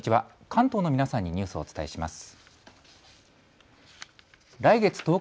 関東の皆さんにニュースをお伝えします。